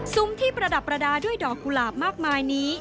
ที่ประดับประดาษด้วยดอกกุหลาบมากมายนี้